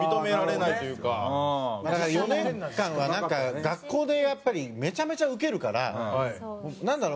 だから４年間はなんか学校でやっぱりめちゃめちゃウケるからなんだろう